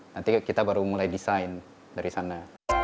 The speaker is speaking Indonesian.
nanti kita baru mulai desain dari sana